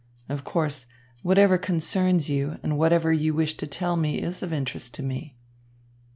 Of course, whatever concerns you and whatever you wish to tell me is of interest to me."